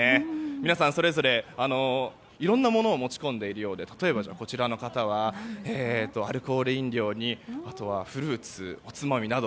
皆さん、それぞれいろんなものを持ち込んでいるようで例えばアルコール飲料にフルーツおつまみなど。